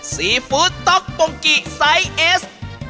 ซีฟู้ดต๊อกปงกิไซส์เอส